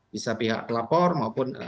bisa pihak lapor maupun